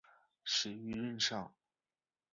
死于任上。